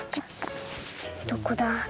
どこだ？